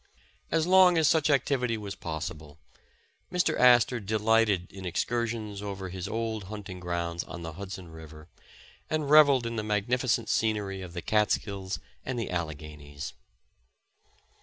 As long as such activity was pos sible, Mr. Astor delighted in excursions over his old hunting grounds on the Hudson River, and reveled in the magnificent scenery^ of the Catskills and the Alle ghanies.